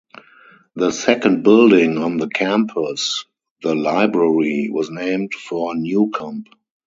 The second building on the campus, the library, was named for Newcomb.